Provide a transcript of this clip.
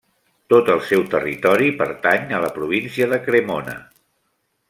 Tot el seu territori pertany a la província de Cremona.